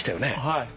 はい。